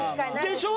でしょ？